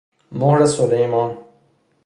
مهر سلیمان